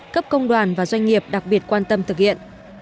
cấp công đoàn và doanh nghiệp đặc biệt quan tâm thực hiện